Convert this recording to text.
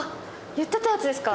言ってたやつですか？